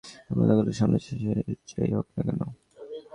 আমরা লোকটাকে সামলাছি, সে যেই হোক না কেন।